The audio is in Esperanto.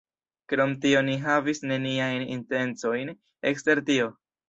Krom tio Ni havis neniajn intencojn ekster tio.